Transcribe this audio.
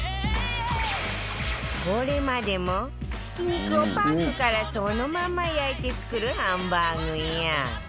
これまでもひき肉をパックからそのまんま焼いて作るハンバーグや